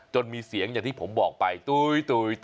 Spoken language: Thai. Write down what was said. มีเสียงอย่างที่ผมบอกไปตุ๊ย